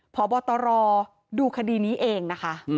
พบตรดูคดีนี้เองนะคะ